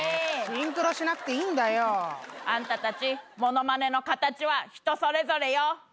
シンクロしなくていいんだよ。あんたたちモノマネの形は人それぞれよ。